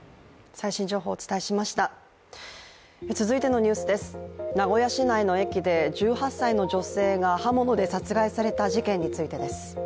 続いて、名古屋市内の駅で１８歳の女性が刃物で殺害された事件についてです。